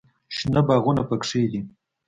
شنه باغونه پکښې دي.